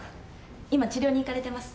今治療に行かれてます。